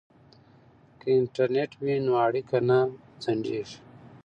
که انټرنیټ وي نو اړیکه نه ځنډیږي.